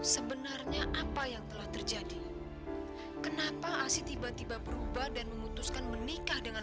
sebenarnya apa yang telah terjadi kenapa asi tiba tiba berubah dan memutuskan menikah dengan